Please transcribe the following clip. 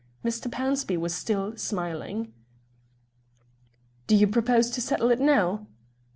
Mr. Pownceby was still smiling. "Do you propose to settle it now?"